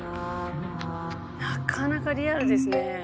なかなかリアルですね。